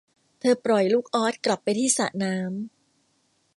เธอปล่อยลูกอ๊อดกลับไปที่สระน้ำ